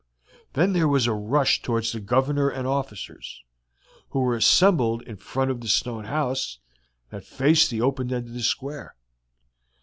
Then there was a rush towards the Governor and officers, who were assembled in front of the stone house that faced the open end of the square.